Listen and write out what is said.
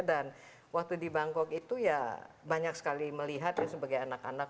dan waktu di bangkok itu ya banyak sekali melihat sebagai anak anak